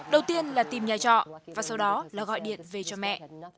đầu tiên là tìm nhà trọ và sau đó là gọi điện về cho mẹ